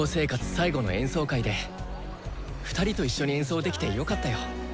最後の演奏会で２人と一緒に演奏できてよかったよ。